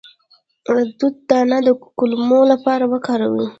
د توت دانه د کولمو لپاره وکاروئ